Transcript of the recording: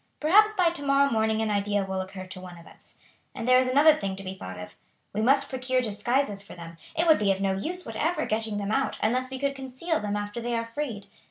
Perhaps by to morrow morning an idea will occur to one of us. And there is another thing to be thought of; we must procure disguises for them. It would be of no use whatever getting them out unless we could conceal them after they are freed.